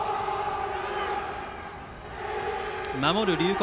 守る龍谷